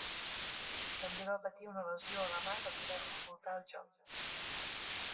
També va patir una lesió a la mà que li va dificultar el joc.